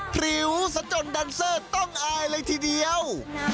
พริ้วซะจนแดนเซอร์ต้องอายเลยทีเดียว